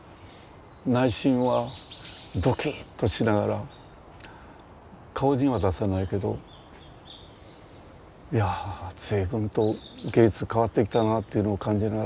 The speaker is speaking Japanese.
内心はドキッとしながら顔には出さないけどいや随分と芸術変わってきたなというのを感じながら。